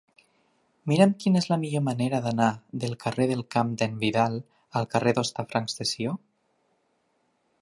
Mira'm quina és la millor manera d'anar del carrer del Camp d'en Vidal al carrer d'Hostafrancs de Sió.